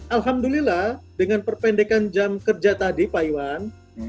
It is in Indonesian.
alhamdulillah dengan perpendekan jam kerja tadi pak iwan